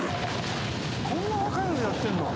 こんな若いのにやってんの？